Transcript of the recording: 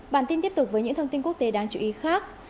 bản tin tiếp tục với những thông tin quốc tế đáng chú ý khác